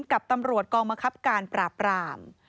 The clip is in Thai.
กับตำรวจกองบังคับการปราบราม